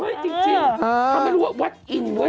เฮ่ยจริงถ้าไม่รู้ว่าวัดอินก็เว้ย